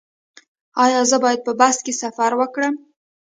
ایا زه باید په بس کې سفر وکړم؟